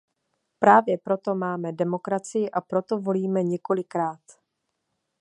Právě proto máme demokracii a proto volíme několikrát.